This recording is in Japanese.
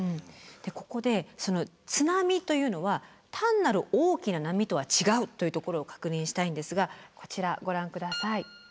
ここで津波というのは単なる大きな波とは違うというところを確認したいんですがこちらご覧下さい。